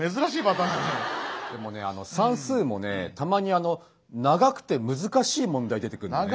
でもね算数もねたまに長くて難しい問題出てくんのね。